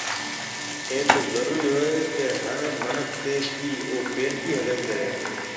اَي تو ضرُورِي هيَ هر مِنک تي ڪيَ او پيلڪِي هگائي ڪريَ۔